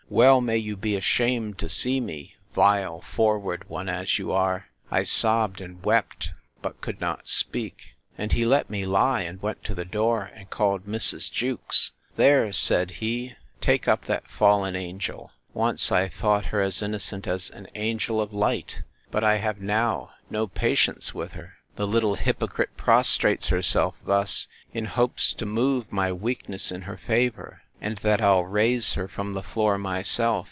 well may you be ashamed to see me, vile forward one, as you are!—I sobbed and wept, but could not speak. And he let me lie, and went to the door, and called Mrs. Jewkes.—There, said he, take up that fallen angel!—Once I thought her as innocent as an angel of light but I have now no patience with her. The little hypocrite prostrates herself thus, in hopes to move my weakness in her favour, and that I'll raise her from the floor myself.